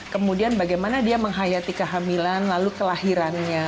kemudian bagaimana dia menghayati kehamilan lalu kelahirannya